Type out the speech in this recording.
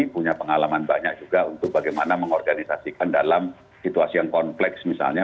punya pengalaman banyak juga untuk bagaimana mengorganisasikan dalam situasi yang kompleks misalnya